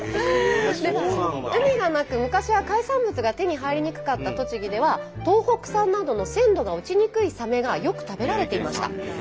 海がなく昔は海産物が手に入りにくかった栃木では東北産などの鮮度が落ちにくいサメがよく食べられていました。